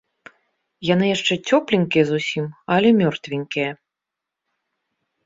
Яны яшчэ цёпленькія зусім, але мёртвенькія.